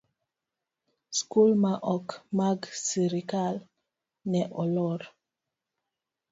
skul ma ok mag sirkal ne olor.